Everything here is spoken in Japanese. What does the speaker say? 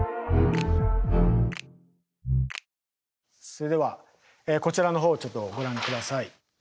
それではこちらの方をちょっとご覧下さい。